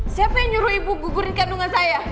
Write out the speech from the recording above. siapa yang nyuruh ibu gugur kandungan saya